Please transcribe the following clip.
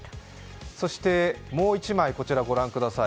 そしてもう１枚、ご覧ください。